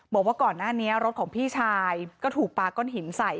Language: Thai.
บอกว่าก่อนหน้านี้รถของพี่ชายก็ถูกปลาก้อนหินใส่